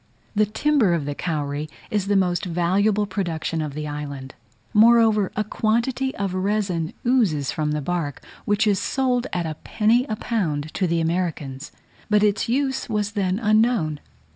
The timber of the kauri is the most valuable production of the island; moreover, a quantity of resin oozes from the bark, which is sold at a penny a pound to the Americans, but its use was then unknown.